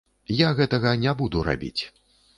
Я гэтага не буду рабіць.